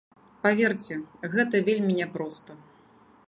Паверце, гэта вельмі няпроста.